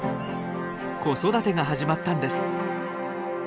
子育てが始まったんです。